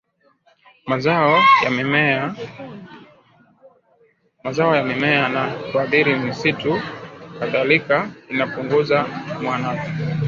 mazao ya mimea na kuathiri misitu Kadhalika inapunguza mwonekano